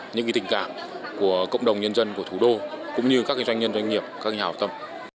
những tình cảm của cộng đồng nhân dân của thủ đô cũng như các doanh nhân doanh nghiệp các nhà hào tâm